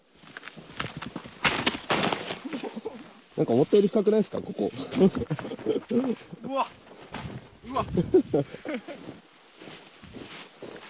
思ったよりも深くないですか、うわっ、うわっ。